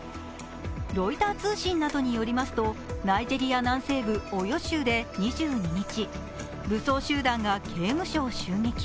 ロイター通信などによりますと、ナイジェリア南西部オヨ州で２２日武装集団が刑務所を襲撃。